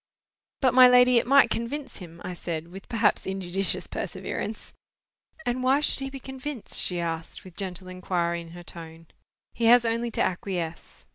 "But, my lady, it might convince him," I said, with perhaps injudicious perseverance. "And why should he be convinced?" she asked, with gentle inquiry in her tone. "He has only to acquiesce.